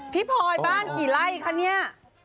พลอยบ้านกี่ไร่คะเนี่ย